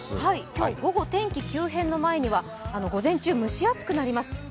今日午後、天気急変の前には午前中、蒸し暑くなります。